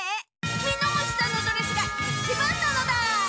みのむしさんのドレスがいちばんなのだ！